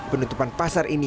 penutupan pasar ini